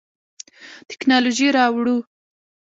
تکنالوژي راوړو.